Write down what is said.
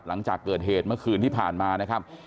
หลังจากเกิดเหตุเมื่อคืนที่ผ่านมานะครับ